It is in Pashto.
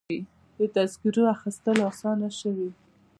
د تذکرو اخیستل اسانه شوي؟